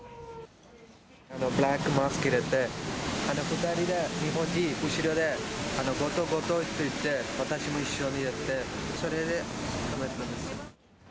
ブラックマスクして、２人で日本人、後ろで強盗、強盗って言って、私も一緒に行って、それで捕まえたんです。